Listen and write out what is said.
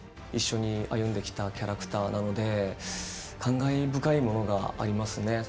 一緒に歩んできたキャラクターなので感慨深いものがありますね。